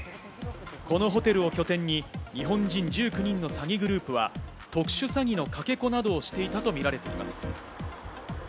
このホテルを拠点に日本人１９人の詐欺グループは特殊詐欺のかけ子などをしていたとみられています。